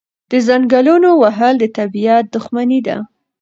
د ځنګلونو وهل د طبیعت دښمني ده.